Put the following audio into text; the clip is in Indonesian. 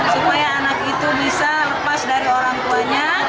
supaya anak itu bisa lepas dari orang tuanya